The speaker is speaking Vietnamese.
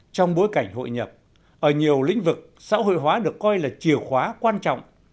trong bối cảnh hội nhập ở nhiều lĩnh vực xã hội hóa được coi là chìa khóa quan trọng